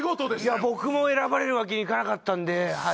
いや僕も選ばれるわけにいかなかったんでは